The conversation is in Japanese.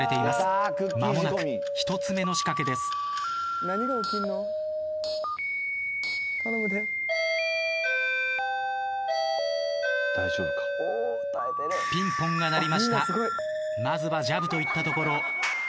まずはジャブといったところ。